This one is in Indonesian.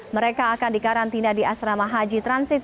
mereka akan dikarantina di asrama haji transit